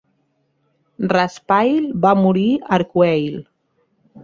Raspail va morir a Arcueil.